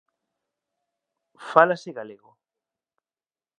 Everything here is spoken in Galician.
Fálase galego.